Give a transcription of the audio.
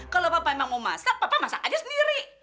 kalau papa emang mau masak papa masak aja sendiri